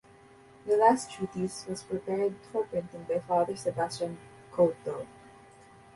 The last treatise was prepared for printing by Father Sebastian Couto.